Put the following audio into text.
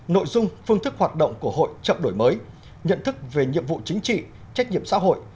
nội dung phương thức hoạt động của hội chậm đổi mới nhận thức về nhiệm vụ chính trị trách nhiệm xã hội